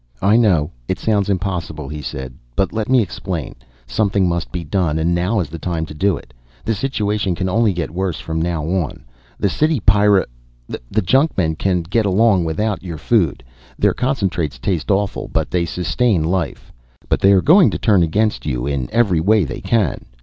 "I know it sounds impossible," he said. "But let me explain. Something must be done and now is the time to do it. The situation can only get worse from now on. The city Pyrr ... the junkmen can get along without your food, their concentrates taste awful but they sustain life. But they are going to turn against you in every way they can.